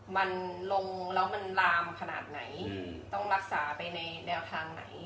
มันลงแล้วมันลามขนาดไหนต้องรักษาไปในแนวทางไหน